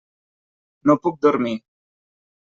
No puc dormir.